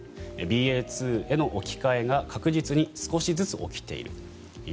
３、ＢＡ．２への置き換えが確実に少しずつ起きている。